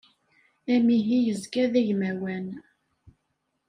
Amihi yezga d agmawan.